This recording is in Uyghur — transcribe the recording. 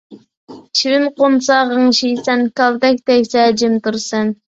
چىۋىن قونسا غىڭشىيسەن، كالتەك تەگسە جىم تۇرىسەن